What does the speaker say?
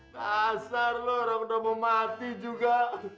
pasar lo orang udah mau mati juga